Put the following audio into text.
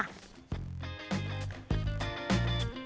สวัสดีครับทุกคน